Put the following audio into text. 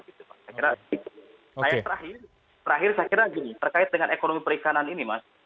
saya kira terakhir terakhir saya kira terkait dengan ekonomi perikanan ini mas